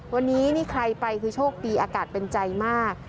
วันนี้นี่ใครไปคือโชคดีอากาศเป็นใจมาก